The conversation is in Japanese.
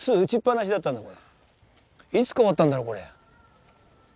いつ変わったんだろうこれ。